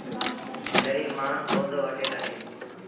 گريٚب مآڻهوٚٚݩ ڪوندو وٺي سگھي۔